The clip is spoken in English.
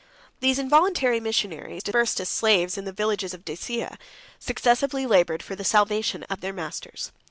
Those involuntary missionaries, dispersed as slaves in the villages of Dacia, successively labored for the salvation of their masters.